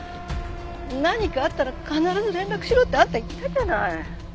何かあったら必ず連絡しろってあんた言ったじゃない！